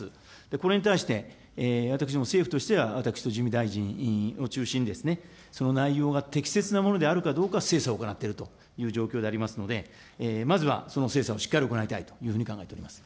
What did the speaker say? これに対して、私も政府としては、私と事務大臣を中心に、その内容が適切なものであるか精査を行っているという状況でありますので、まずはその精査をしっかりと行いたいというふうに考えております。